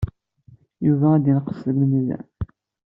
Yuba ad yenqes deg lmizan.